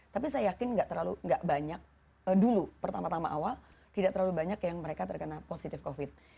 tapi saya yakin nggak terlalu nggak banyak dulu pertama tama awal tidak terlalu banyak yang mereka terkena positif covid